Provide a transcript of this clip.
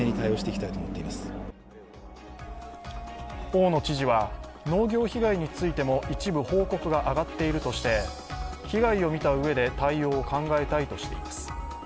大野知事は農業被害についても一部報告が上がっているとして被害を見たうえで対応を考えたいとしています。